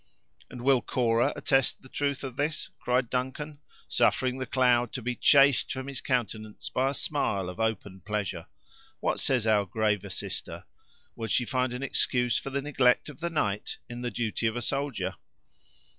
"And will Cora attest the truth of this?" cried Duncan, suffering the cloud to be chased from his countenance by a smile of open pleasure. "What says our graver sister? Will she find an excuse for the neglect of the knight in the duty of a soldier?"